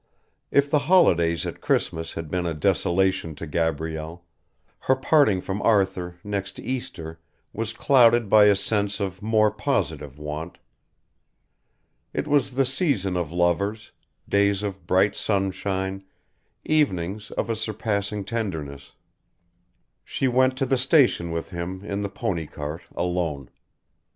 If the holidays at Christmas had been a desolation to Gabrielle, her parting from Arthur next Easter was clouded by a sense of more positive want. It was the season of lovers, days of bright sunshine, evenings of a surpassing tenderness. She went to the station with him in the pony cart alone.